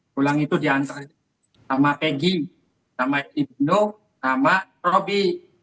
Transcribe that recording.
pulang itu diantar sama pegi sama ibnu sama robi